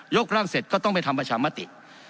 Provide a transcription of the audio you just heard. กร่างเสร็จก็ต้องไปทำประชามติ